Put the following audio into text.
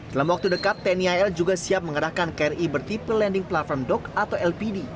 dalam waktu dekat tni al juga siap mengerahkan kri bertipe landing platform dock atau lpd